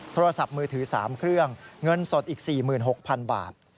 โทรศัพท์มือถือ๓เครื่องเงินสดอีก๔๖๐๐๐บาท